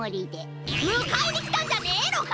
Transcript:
むかえにきたんじゃねえのか！？